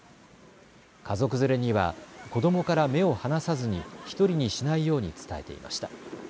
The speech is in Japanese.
家族連れには子どもから目を離さずに１人にしないように伝えていました。